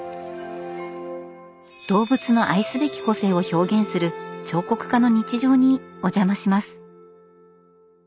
動物の愛すべき個性を表現する彫刻家の日常にお邪魔します。